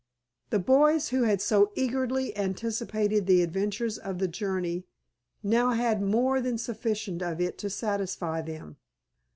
The boys, who had so eagerly anticipated the adventures of the journey, now had more than sufficient of it to satisfy them.